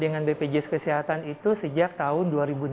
dengan bpjs kesehatan itu sejak tahun dua ribu enam belas